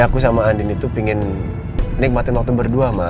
aku sama andin itu pingin nikmatin waktu berdua ma